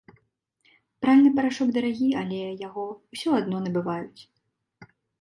Пральны парашок дарагі, але яго ўсё адно набываюць.